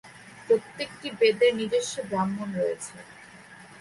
প্রত্যেকটি বেদের নিজস্ব "ব্রাহ্মণ" রয়েছে।